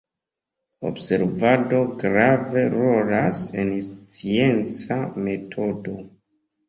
Observado grave rolas en scienca metodo.